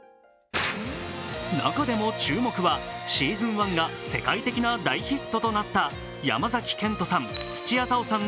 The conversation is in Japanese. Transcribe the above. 中でも注目はシーズン１が世界的な大ヒットとなった山崎賢人さん、土屋太鳳さん